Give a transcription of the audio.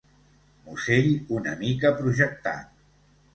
Musell una mica projectat.